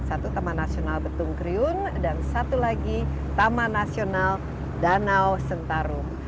satu taman nasional betung kriun dan satu lagi taman nasional danau sentarum